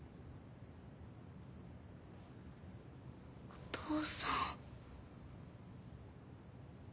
お父さん。